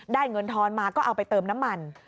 เงินทอนมาก็เอาไปเติมน้ำมัน